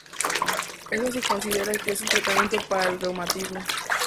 Esto se considera que es un tratamiento para el reumatismo.